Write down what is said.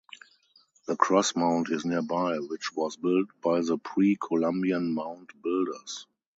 The Cross Mound is nearby, which was built by the pre-Columbian Mound Builders.